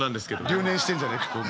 留年してんじゃねえか。